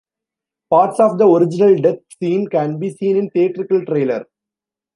Parts of the original death scene can be seen in theatrical trailer.